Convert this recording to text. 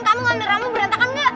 kamu ngambil ramu berantakan gak